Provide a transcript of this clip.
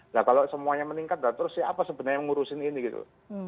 nah kalau semuanya meningkat terus siapa sebenarnya yang ngurusin ini gitu